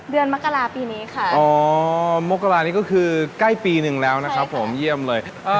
มกราปีนี้ค่ะอ๋อมกรานี้ก็คือใกล้ปีหนึ่งแล้วนะครับผมเยี่ยมเลย